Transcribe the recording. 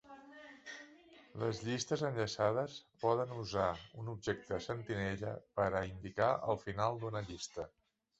Les llistes enllaçades poden usar un objecte sentinella per a indicar el final d'una llista.